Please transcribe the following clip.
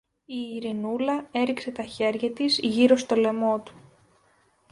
Η Ειρηνούλα έριξε τα χέρια της γύρω στο λαιμό του.